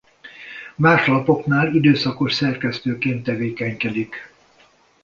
Más lapoknál időszakos szerkesztőként tevékenykedik.